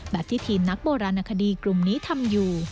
ที่ทีมนักโบราณคดีกลุ่มนี้ทำอยู่